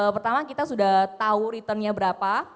pertama kita sudah tahu returnnya berapa